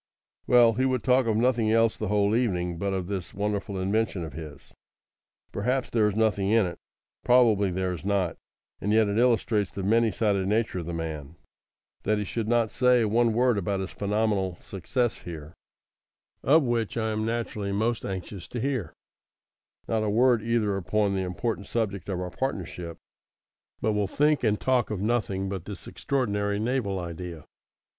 Well, he would talk of nothing else the whole evening but of this wonderful invention of his. Perhaps there is nothing in it probably there is not; and yet it illustrates the many sided nature of the man, that he should not say one word about his phenomenal success here of which I am naturally most anxious to hear not a word either upon the important subject of our partnership, but will think and talk of nothing but this extraordinary naval idea.